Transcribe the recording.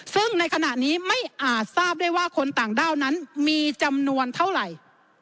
ซึ่งในขณะนี้ไม่อาจทราบได้ว่าคนต่างด้าวนั้นมีจำนวนเท่าไหร่